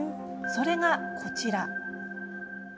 それがこちら。